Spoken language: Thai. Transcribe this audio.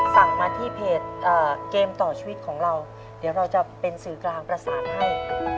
สั่งมาที่เพจเกมต่อชีวิตของเราเดี๋ยวเราจะเป็นสื่อกลางประสานให้